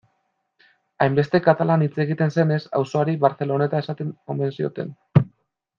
Hainbeste katalan hitz egiten zenez, auzoari Barceloneta esaten omen zioten.